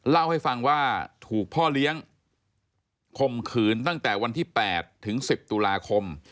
เล่าให้ฟังว่าถูกพ่อเลี้ยงคมขืนตั้งแต่วันที่๘ถึง๑๐ตุลาคม